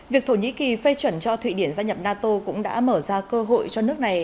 việc thổ nhĩ kỳ phê chuẩn cho thụy điển gia nhập nato cũng đã mở ra cơ hội cho nước này